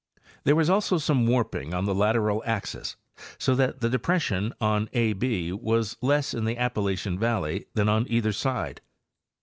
There was also some warping on the lateral axis, so that the depression on A B was less in the Appa lachian valley than on either side.